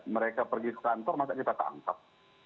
mereka pergi ke kantor maka kita tak angkat